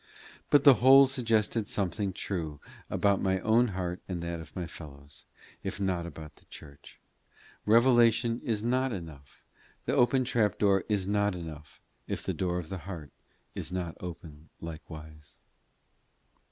But the whole suggested something true about my own heart and that of my fellows, if not about the church: Revelation is not enough, the open trap door is not enough, if the door of the heart is not open likewise.